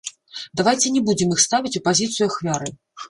Давайце не будзем іх ставіць у пазіцыю ахвяры!